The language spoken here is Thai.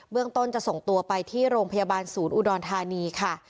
เรื่องต้นจะส่งตัวไปที่โรงพยาบาลศูนย์อุดรธานีค่ะ